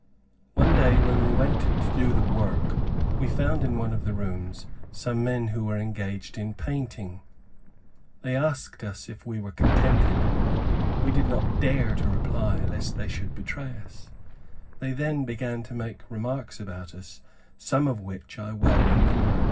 One day, when we went to do the work, we found in one of the rooms, some men who were engaged in painting. They asked us if we were contented. We did not dare to reply, lest they should betray us. They then began to make remarks about us, some of which I well remember.